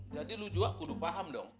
jadi lu juga kudu paham dong